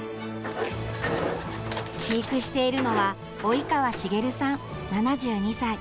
飼育しているのは及川茂さん７２歳。